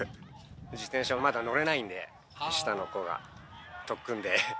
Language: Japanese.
自転車はまだ乗れないんで、下の子が、特訓で。